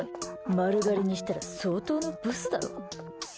丸刈りにしたら相当のブスだろ。